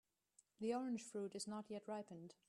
The orange fruit is not yet ripened.